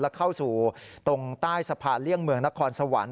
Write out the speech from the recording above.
เข้าสู่ตรงใต้สะพานเลี่ยงเมืองนครสวรรค์